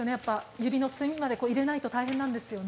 指の隅まで入れないと大変なんですよね。